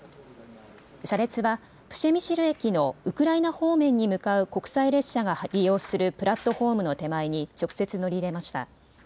車列はプシェミシル駅のウクライナ方面に向かう国際列車が利用するプラットホームの手前に直接乗り入れました。